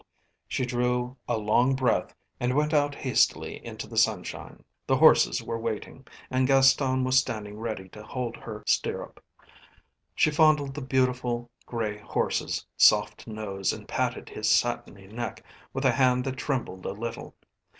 She drew a long breath and went out hastily into the sunshine. The horses were waiting, and Gaston was standing ready to hold her stirrup. She fondled the beautiful grey horse's soft nose and patted his satiny neck with a hand that trembled a little.